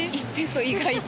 意外と。